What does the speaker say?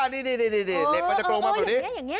นี่เหล็กมันจะโกงมาแบบนี้